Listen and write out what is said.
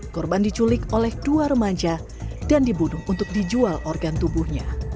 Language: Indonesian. korban diculik oleh dua remaja dan dibunuh untuk dijual organ tubuhnya